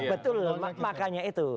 betul makanya itu